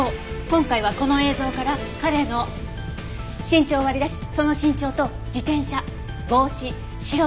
今回はこの映像から彼の身長を割り出しその身長と自転車帽子白いシャツジーンズ